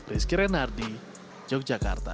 rizky renardi yogyakarta